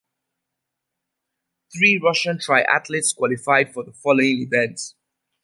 Three Russian triathletes qualified for the following events.